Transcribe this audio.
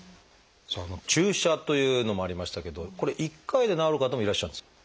注射というのもありましたけどこれ１回で治る方もいらっしゃるんですか？